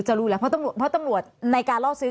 จะรู้แหละเพราะตั้งหลวดในการล่อซื้อ